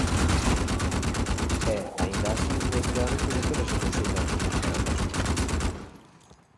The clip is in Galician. E, aínda así, neste ano pois apenas se consignan fondos para o mesmo.